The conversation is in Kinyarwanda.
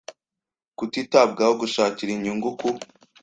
kutitabwaho gushakira inyungu ku